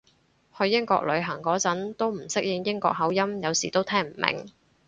去英國旅行嗰陣都唔適應英國口音，有時都聽唔明